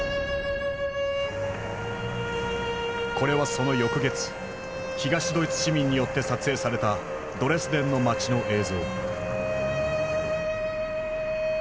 これはその翌月東ドイツ市民によって撮影されたドレスデンの街の映像。